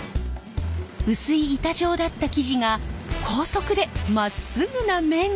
薄い板状だった生地が高速でまっすぐな麺に。